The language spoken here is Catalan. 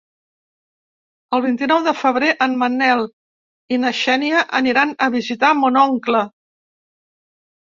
El vint-i-nou de febrer en Manel i na Xènia aniran a visitar mon oncle.